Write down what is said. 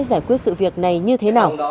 sẽ giải quyết sự việc này như thế nào